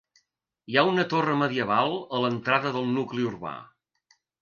Hi ha una torre medieval a l'entrada del nucli urbà.